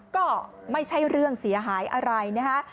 ก็ไม่ใช่เรื่องเสียหายอะไรนะคะ